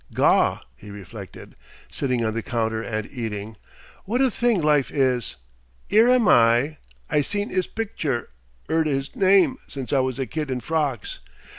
"Gaw!" he reflected, sitting on the counter and eating, "what a thing life is! 'Ere am I; I seen 'is picture, 'eard 'is name since I was a kid in frocks.